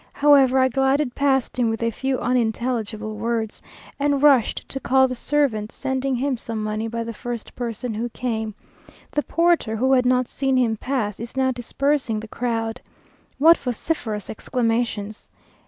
However, I glided past him with a few unintelligible words, and rushed to call the servants; sending him some money by the first person who came. The porter, who had not seen him pass, is now dispersing the crowd. What vociferous exclamations!